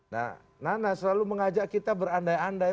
nah nana selalu mengajak kita berandai andai